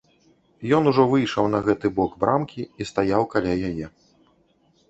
Ён ужо выйшаў на гэты бок брамкі і стаяў каля яе.